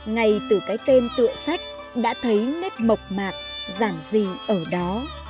ngay từ cái tên tựa sách đã thấy nét mộc mạc giản dị ở đó